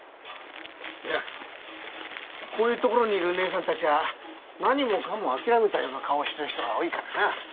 いやこういうところにいるねえさんたちは何もかも諦めたような顔してる人が多いからな。